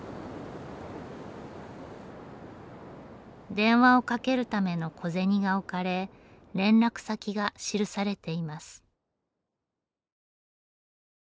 電話をかけるための小銭が置かれ連絡先が記されています。